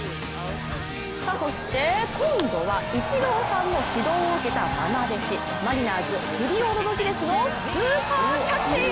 そして、今度はイチローさんの指導を受けた愛弟子マリナーズ、フリオ・ロドリゲスのスーパーキャッチ！